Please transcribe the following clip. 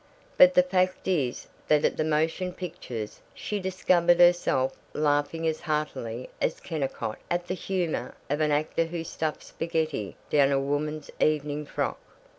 But the fact is that at the motion pictures she discovered herself laughing as heartily as Kennicott at the humor of an actor who stuffed spaghetti down a woman's evening frock.